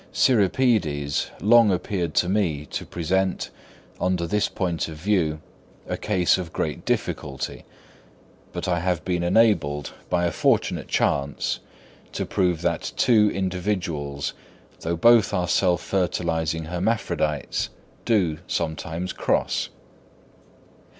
Cirripedes long appeared to me to present, under this point of view, a case of great difficulty; but I have been enabled, by a fortunate chance, to prove that two individuals, though both are self fertilising hermaphrodites, do sometimes cross.